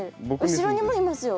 後ろにもいますよ。